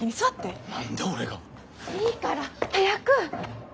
いいから早く！